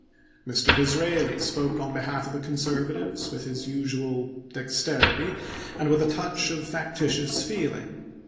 Mr. Disraeli spoke on behalf of the Conservatives with his usual dexterity and with a touch of factitious feeling.